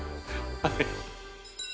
はい。